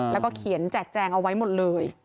แล้วก็เขียนแจกแจงเอาไว้หมดเลย